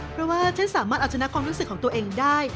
เพราะว่าฉันสามารถเอาชนะความรู้สึกของตัวเองได้